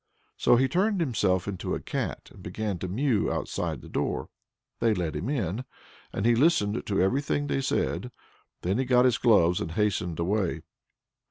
So he turned himself into a cat, and began to mew outside the door. They let him in, and he listened to everything they said. Then he got his gloves and hastened away.